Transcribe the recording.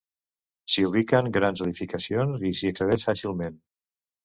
S'hi ubiquen grans edificacions i s'hi accedix fàcilment.